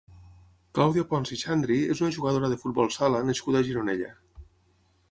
Clàudia Pons i Xandri és una jugadora de futbol sala nascuda a Gironella.